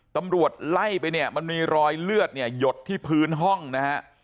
ตำรวจไล่ไปเนี่ยมันมีรอยเลือดเนี่ยหยดที่พื้นห้องนะฮะ